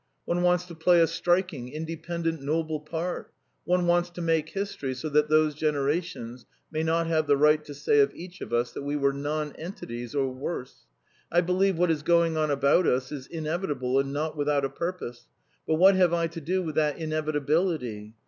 One wants to play a striking, independent, noble part; one wants to make history so that those generations may not have the right to say of each of us that we were nonentities or worse. ... I believe what is going on about us is inevitable and not without a purpose, but what have I to do with that inevitability?